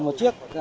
một mươi một chiếc